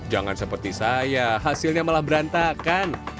jangan seperti saya hasilnya malah berantakan